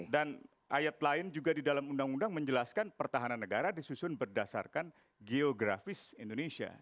dan ayat lain juga di dalam undang undang menjelaskan pertahanan negara disusun berdasarkan geografis indonesia